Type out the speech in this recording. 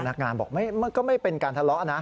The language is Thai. นักงานบอกก็ไม่เป็นการทะเลาะนะ